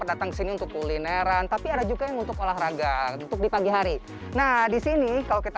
datang ke sini untuk kulineran tapi ada juga yang untuk olahraga untuk di pagi hari nah disini kalau kita